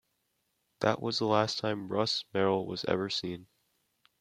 That was the last time "Russ" Merrill was ever seen.